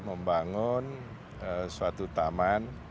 membangun suatu taman